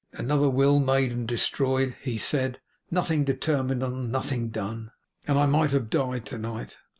'Another will made and destroyed,' he said, 'nothing determined on, nothing done, and I might have died to night!